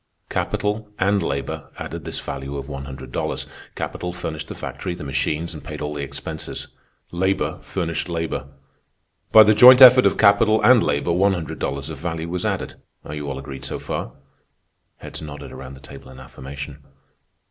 "Capital and labor added this value of one hundred dollars. Capital furnished the factory, the machines, and paid all the expenses. Labor furnished labor. By the joint effort of capital and labor one hundred dollars of value was added. Are you all agreed so far?" Heads nodded around the table in affirmation.